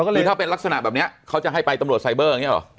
คือถ้าเป็นลักษณะแบบนี้เขาจะให้ไปตำรวจไซเบอร์อย่างนี้หรอ